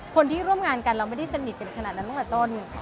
คนที่ร่วมงานกันเราไม่ได้สนิทกันขนาดนั้นตั้งแต่ต้น